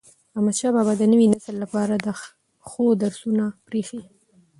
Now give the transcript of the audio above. احمدشاه بابا د نوي نسل لپاره د ښو درسونه پريښي دي.